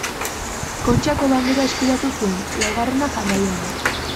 Kontxako Bandera eskuratu zuen, laugarrena jarraian.